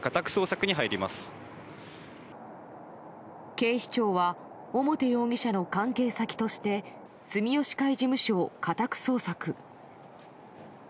警視庁は表容疑者の関係先として住吉会事務所を家宅捜索。